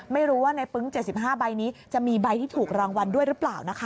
ไม่รู้ว่าในปึ๊ง๗๕ใบนี้จะมีใบที่ถูกรางวัลด้วยหรือเปล่านะคะ